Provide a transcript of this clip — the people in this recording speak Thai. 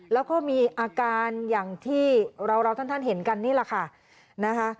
แล้วก็มีอาการอย่างที่เราท่านเห็นกันนี่แหละค่ะนะคะ